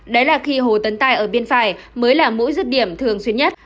đấy là khi hồ tấn tài ở bên phải mới là mũi rứt điểm thường xuyên nhất